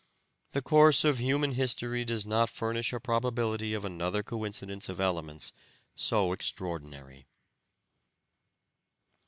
The course of human history does not furnish a probability of another coincidence of elements so extraordinary.